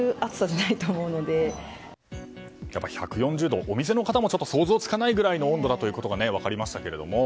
１４０度、お店の方も想像がつかないぐらいの温度だということが分かりましたけれども。